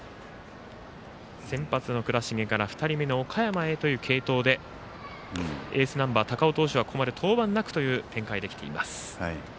先発の倉重から２人目の岡山へという継投でエースナンバー高尾投手がここまで登板なくという展開できています。